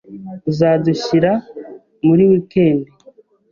Uzadushira muri wikendi?